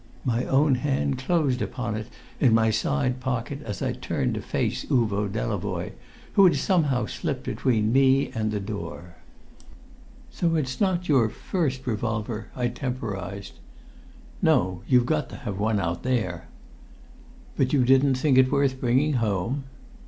My own hand closed upon it in my side pocket, as I turned to face Uvo Delavoye, who had somehow slipped between me and the door. "So it's not your first revolver?" I temporised. "No; you've got to have one out there." "But you didn't think it worth bringing home?"